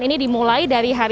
ini dimulai dari hari